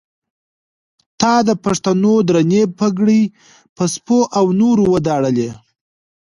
تا د پښتنو درنې پګړۍ په سپو او نورو وداړلې.